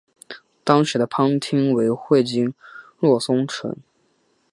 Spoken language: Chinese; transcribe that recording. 当时的藩厅为会津若松城。